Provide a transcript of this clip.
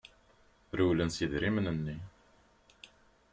Rewlen s yidrimen-nni.